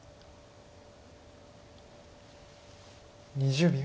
２０秒。